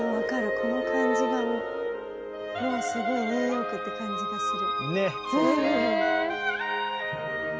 この感じがもうすごいニューヨークって感じがする。